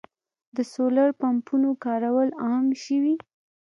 د سولر پمپونو کارول عام شوي.